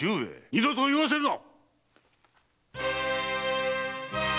二度と言わせるな！